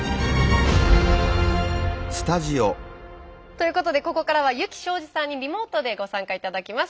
ということでここからは湯木尚二さんにリモートでご参加頂きます。